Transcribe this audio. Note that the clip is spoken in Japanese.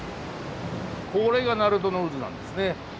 これが鳴門の渦なんですね。